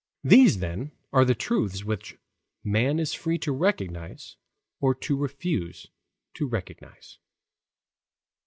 These, then, are the truths which man is free to recognize or to refuse to recognize.